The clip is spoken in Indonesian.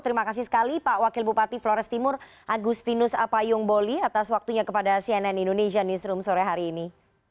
terima kasih sekali pak wakil bupati flores timur agustinus apayung boli atas waktunya kepada cnn indonesia newsroom sore hari ini